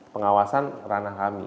pengawasan ranah kami